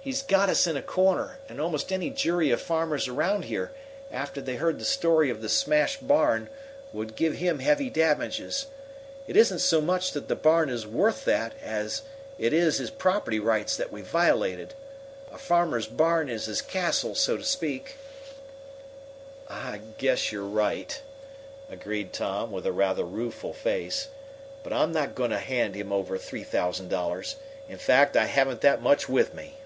He's got us in a corner, and almost any jury of farmers around here, after they heard the story of the smashed barn, would give him heavy damages. It isn't so much that the barn is worth that as it is his property rights that we've violated. A farmer's barn is his castle, so to speak." "I guess you're right," agreed Tom, with a rather rueful face. "But I'm not going to hand him over three thousand dollars. In fact, I haven't that much with me."